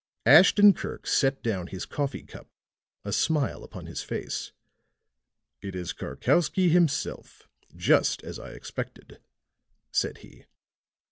Ashton Kirk set down his coffee cup, a smile upon his face. "It is Karkowsky himself, just as I expected," said he.